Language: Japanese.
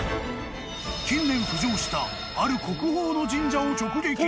近年浮上したある国宝の神社を直撃。